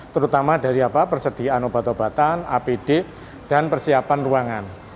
terutama dari persediaan obat obatan apd dan persiapan ruangan